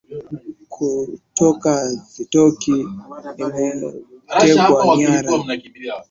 kutoka sitoki nimetekwa nyara